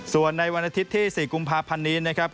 ส่วนในวันอาทิตย์ที่๔กุมภาพันธ์นี้นะครับ